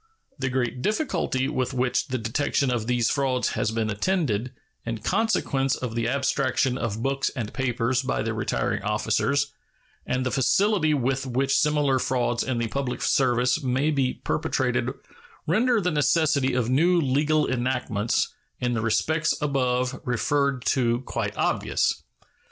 The great difficulty with which the detection of these frauds has been attended, in consequence of the abstraction of books and papers by the retiring officers, and the facility with which similar frauds in the public service may be perpetrated render the necessity of new legal enactments in the respects above referred to quite obvious.